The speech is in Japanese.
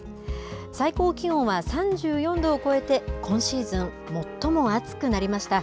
最高気温は３４度を超えて、今シーズン、最も暑くなりました。